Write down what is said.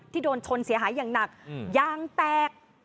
โดนชนเสียหายอย่างหนักยางแตก